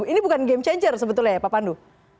ini bukan game changer sebetulnya ya pak pandu